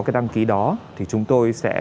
cái đăng ký đó thì chúng tôi sẽ